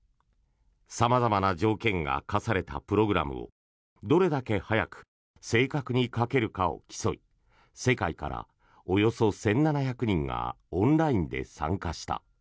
様々な条件が課されたプログラムをどれだけ早く正確に書けるかを競い世界からおよそ１７００人がオンラインで参加した。